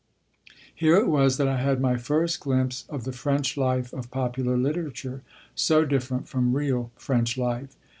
Here it was that I had my first glimpse of the French life of popular literature, so different from real French life.